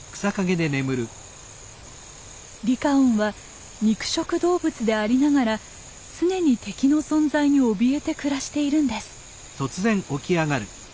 リカオンは肉食動物でありながら常に敵の存在におびえて暮らしているんです。